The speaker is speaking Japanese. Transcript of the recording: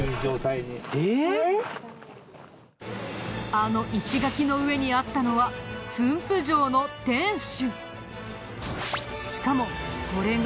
あの石垣の上にあったのは駿府城の天守。